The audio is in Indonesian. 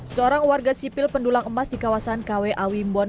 seorang warga sipil pendulang emas di kawasan kw awimbon